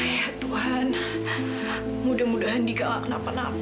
ya tuhan mudah mudahan dika nggak kenapa napa